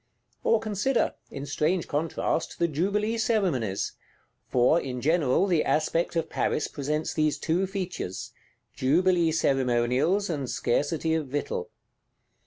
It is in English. Or consider, in strange contrast, the jubilee Ceremonies; for, in general, the aspect of Paris presents these two features: jubilee ceremonials and scarcity of victual.